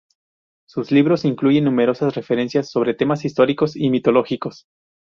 Sus libros incluyen numerosas referencias sobre temas históricos y mitológicos.